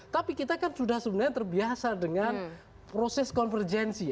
tapi kita kan sudah sebenarnya terbiasa dengan proses konvergensi